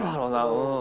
うん。